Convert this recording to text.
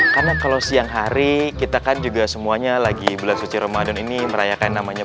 karena kalau siang hari kita kan juga semuanya lagi bulan suci ramadan ini merayakan namanya